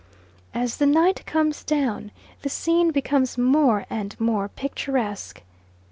As the night comes down, the scene becomes more and more picturesque.